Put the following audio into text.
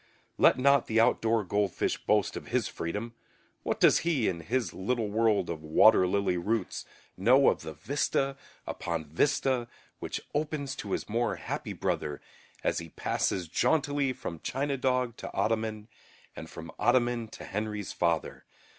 Let not the outdoor goldfish boast of his freedom. What does he, in his little world of water lily roots, know of the vista upon vista which opens to his more happy brother as he passes jauntily from china dog to ottoman and from ottoman to Henry's father?